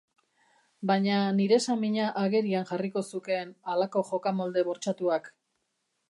Baina nire samina agerian jarriko zukeen halako jokamolde bortxatuak.